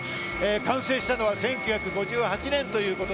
完成したのは１９５８年。